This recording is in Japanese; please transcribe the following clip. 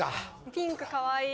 ピンクかわいい！